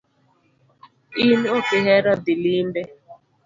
In okihero dhii limbe